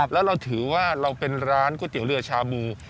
แล้วเราถือว่าเราเป็นร้านก๋วยเตี๋ยวเรือชาบู